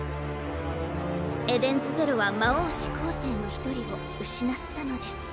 エデンズゼロは魔王四煌星の１人を失ったのです。